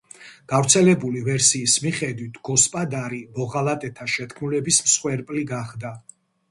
გავრცელებული ვერსიის მიხედვით გოსპოდარი მოღალატეთა შეთქმულების მსხვერპლი გახდა.